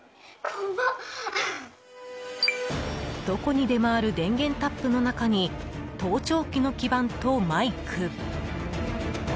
どこにでもある電源タップの中に盗聴機の基板とマイク。